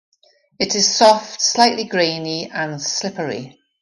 It is soft, slightly grainy, and slippery.